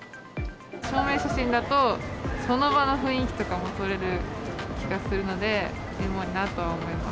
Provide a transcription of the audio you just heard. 証明写真だと、その場の雰囲気とかも撮れる気がするので、エモいなと思います。